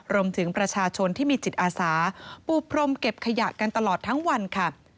รวมถึงประชาชนที่มีจิตอาสาปูพรมเก็บขยะกันตลอดทั้งวันค่ะ